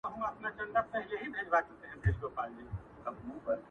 o ما د ژوند لپه كي سيتم كــــــرلـــــــــــی؛